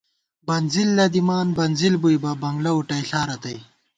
بنزِل لَدِمان بنزِل بُوئی بہ، بنگلہ وُٹئیلا رتئ